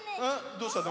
どうしたの？